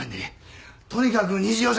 とにかく二次予選！